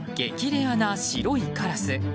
レアな白いカラス。